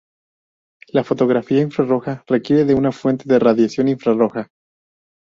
La fotografía infrarroja requiere de una fuente de radiación infrarroja.